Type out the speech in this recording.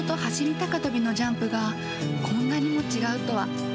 高跳びのジャンプがこんなにも違うとは。